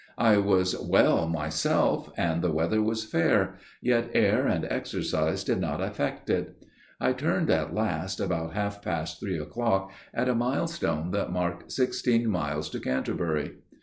I was well myself, and the weather was fair; yet air and exercise did not affect it. I turned at last, about half past three o'clock, at a milestone that marked sixteen miles to Canterbury.